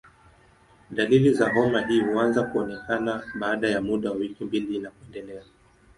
Dalili za homa hii huanza kuonekana baada ya muda wa wiki mbili na kuendelea.